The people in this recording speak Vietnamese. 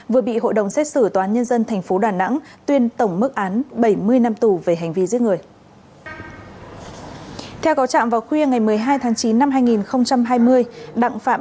vừa bị hội đồng xét xử toán nhân dân tp đà nẵng tuyên tổng mức án bảy mươi năm